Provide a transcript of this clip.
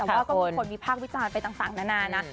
แต่ว่าก็ควรมีภาควิจารณ์ไปต่างนานนะ